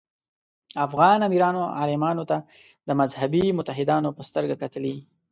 افغان امیرانو عالمانو ته د مذهبي متحدانو په سترګه کتلي.